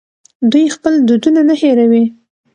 دوی خپل دودونه نه هیروي.